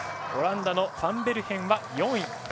オランダのファンベルヘンは４位。